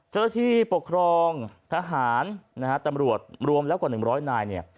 เจ้าที่ปกครองทหารนะฮะตำรวจรวมแล้วกว่าหนึ่งร้อยนายเนี่ย